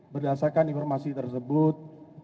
berdasarkan informasi tersebut